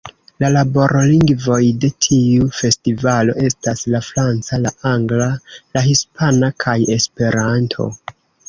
La laborlingvoj de tiu festivalo estas la franca, la angla, la hispana kaj Esperanto.